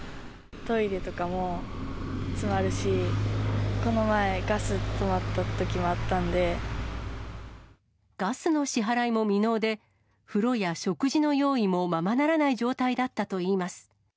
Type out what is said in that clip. トイレとかも詰まるし、この前、ガスの支払いも未納で、風呂や食事の用意もままならない状態だったといいます。